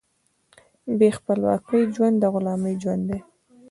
بې خپلواکۍ ژوند د غلامۍ ژوند دی.